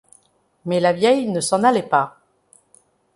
Mais la vieille ne s’en allait pas.